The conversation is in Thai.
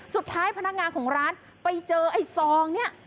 สุดท้ายพนักงานของร้านไปเจอไอ้ซองนี่